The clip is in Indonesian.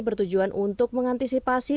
bertujuan untuk mengantisipasi